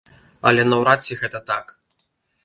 Але наўрад ці гэта так.